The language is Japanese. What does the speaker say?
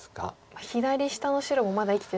左下の白もまだ生きてないですし。